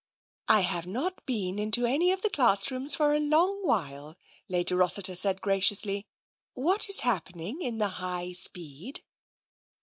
'*" I have not been in to any of the classrooms for a long while," Lady Rossiter said graciously. "What is happening in the High Speed?